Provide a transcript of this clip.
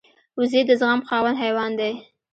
وزې د زغم خاوند حیوان دی